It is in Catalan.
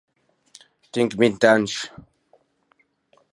Tinc vint anys.